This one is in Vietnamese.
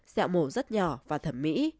xẹo mổ rất nhỏ và thẩm mỹ